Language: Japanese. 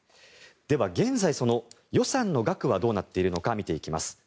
では、現在、予算の額はどうなっているのか見ていきます。